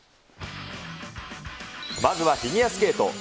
まずはフィギュアスケート。